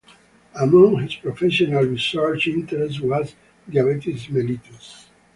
Among his professional research interests was diabetes mellitus.